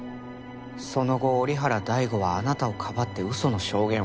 その後折原大吾はあなたをかばって嘘の証言をした。